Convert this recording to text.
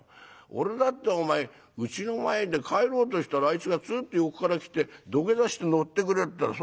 俺だってお前うちの前で帰ろうとしたらあいつがつーっと横から来て土下座して乗ってくれったら